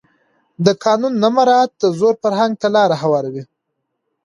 د قانون نه مراعت د زور فرهنګ ته لاره هواروي